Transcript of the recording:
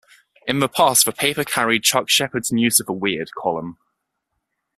In the past the paper carried Chuck Sheppard's News of the Weird column.